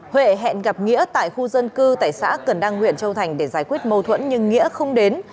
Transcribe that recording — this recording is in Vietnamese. huệ hẹn gặp nghĩa tại khu dân cư tại xã cần đăng huyện châu thành để giải quyết mâu thuẫn nhưng nghĩa không đến